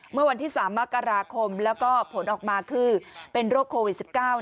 เมื่อวันที่๓มกราคมแล้วก็ผลออกมาคือเป็นโรคโควิด๑๙